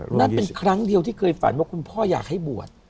นั่นเป็นครั้งเดียวที่เคยฝันว่าคุณพ่ออยากให้บวช